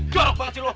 jorok banget sih lo